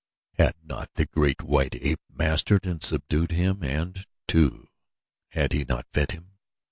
Had not the Great White Ape mastered and subdued him and, too, had he not fed him?